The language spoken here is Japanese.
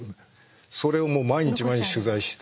それを毎日毎日取材して。